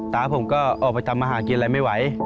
ตาผมก็ออกไปทำอาหารกินอะไรไม่ไหว